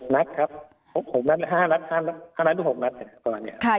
๖นัดครับ๕๖นัด